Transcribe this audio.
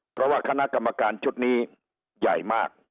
เพราะว่าคณะกรรมการชุดนี้ใหญ่มาก